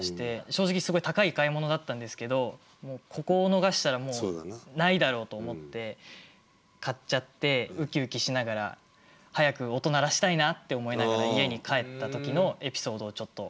正直すごい高い買い物だったんですけどここを逃したらもうないだろうと思って買っちゃってウキウキしながら早く音鳴らしたいなって思いながら家に帰った時のエピソードをちょっと。